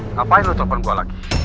ngapain lu telepon gue lagi